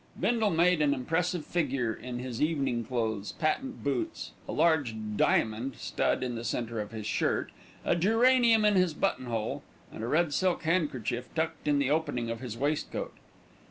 Bindle made an impressive figure in his evening clothes, patent boots, a large "diamond" stud in the centre of his shirt, a geranium in his button hole, and a red silk handkerchief tucked in the opening of his waistcoat.